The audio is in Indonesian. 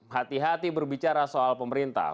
hati hati berbicara soal pemerintah